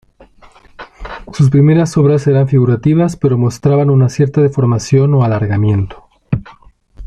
Sus primeras obras eran figurativas pero mostraban una cierta deformación o alargamiento.